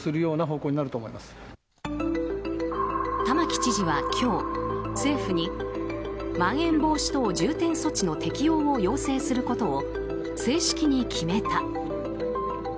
玉城知事は今日、政府にまん延防止等重点措置の適用を要請することを正式に決めた。